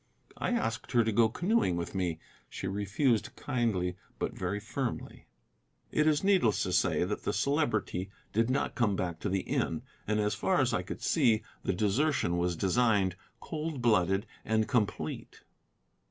I asked her to go canoeing with me. She refused kindly but very firmly. It is needless to say that the Celebrity did not come back to the inn, and as far as I could see the desertion was designed, cold blooded, and complete.